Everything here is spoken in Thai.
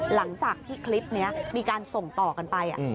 หลังจากที่คลิปนี้มีการส่งต่อกันไป